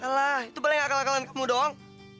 alah itu paling akal akalan kamu dong